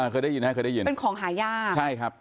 เคยได้ยินเป็นของหายากใช่ครับ